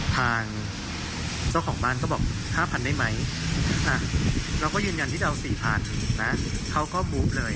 ทางเจ้าของบ้านก็บอก๕๐๐ได้ไหมเราก็ยืนยันที่จะเอา๔๐๐๐นะเขาก็บู๊บเลย